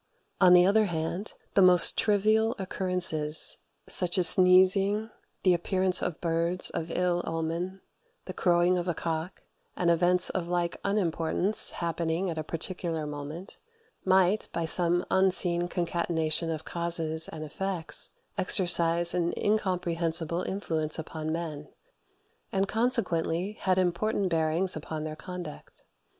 On the other hand, the most trivial occurrences, such as sneezing, the appearance of birds of ill omen, the crowing of a cock, and events of like unimportance happening at a particular moment, might, by some unseen concatenation of causes and effects, exercise an incomprehensible influence upon men, and consequently had important bearings upon their conduct.